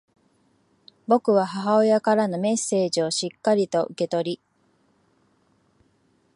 僕は母親からのメッセージをしっかりと受け取り、